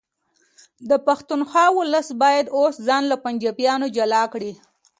د پښتونخوا ولس باید اوس ځان له پنجابه جلا کړي